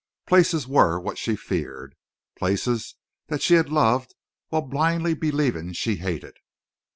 Places were what she feared. Places that she had loved while blindly believing she hated!